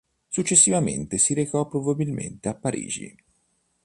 Successivamente si recò probabilmente a Parigi.